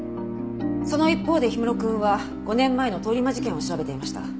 その一方で氷室くんは５年前の通り魔事件を調べていました。